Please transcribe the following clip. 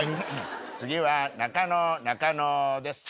次は中野中野です。